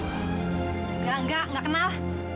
ya nggak nggak kenal